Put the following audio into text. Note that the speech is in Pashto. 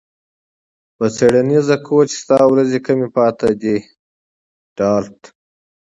په څیړنیز کوچ ستا ورځې کمې پاتې دي ډارت